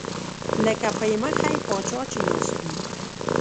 لکه پۍ مخی پاچا چې ناست وي